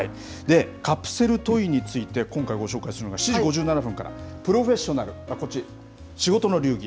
カプセルトイについて、今回ご紹介するのが、７時５７分から、プロフェッショナル、こっち、仕事の流儀。